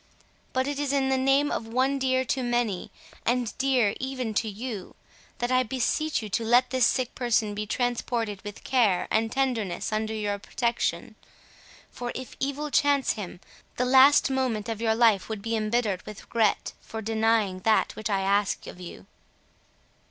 But it is in the name of one dear to many, and dear even to you, that I beseech you to let this sick person be transported with care and tenderness under your protection. For, if evil chance him, the last moment of your life would be embittered with regret for denying that which I ask of you."